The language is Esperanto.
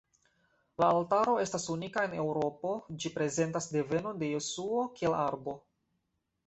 La altaro estas unika en Eŭropo, ĝi prezentas devenon de Jesuo, kiel arbo.